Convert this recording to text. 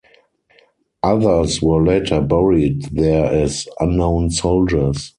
Others were later buried there as "unknown soldiers".